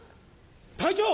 隊長